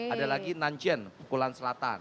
ada lagi nanjen pukulan selatan